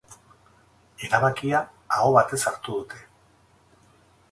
Erabakia aho batez hartu dute.